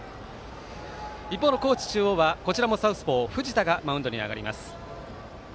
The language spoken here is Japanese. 一方の高知中央はこちらもサウスポー藤田がマウンドに上がります。